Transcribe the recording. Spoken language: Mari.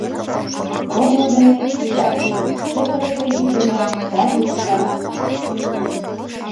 — Корно дене ит кай! — чытырыше йӱк дене Сальниковлан манам.